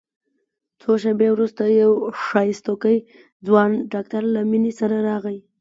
څو شېبې وروسته يو ښايستوکى ځوان ډاکتر له مينې سره راغى.